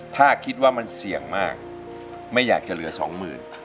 ถ้าคิดว่ามันเสี่ยงมากไม่อยากจะเหลือสองหมื่น